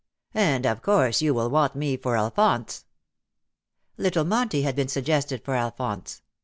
And of course you will want me for Alphonse/'' Little Monty had been suggested for Alphonse.